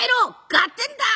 「がってんだ！」。